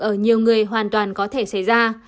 ở nhiều người hoàn toàn có thể xảy ra